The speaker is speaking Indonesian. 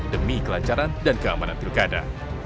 demi kelancaran dan keamanan pilkada